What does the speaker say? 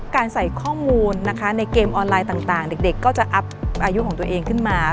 การใส่ข้อมูลนะคะในเกมออนไลน์ต่างเด็กก็จะอัพอายุของตัวเองขึ้นมา